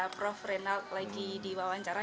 prof rinald lagi di wawancara